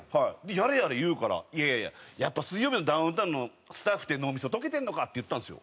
やれやれ言うからやっぱ『水曜日のダウンタウン』のスタッフって脳みそ溶けてんのかって言ったんですよ。